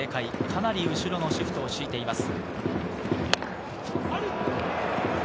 かなり後ろのシフトを敷いています。